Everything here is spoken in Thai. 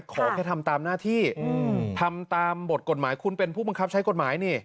ขอแค่ทำตามหน้าที่ทำตามบทกฎหมายคุณเป็นผู้บังคับใช้กฎหมายนี่